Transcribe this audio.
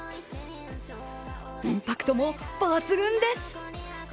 インパクトも抜群です。